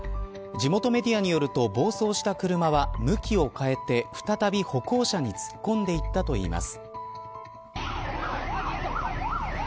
地元メディアによると暴走した車は向きを変えて再び歩行者に突っ込んでいったといいます。